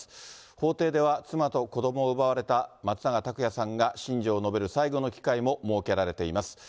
法廷では、妻と子どもを奪われた松永拓也さんが心情を述べる最後の機会も設けられています。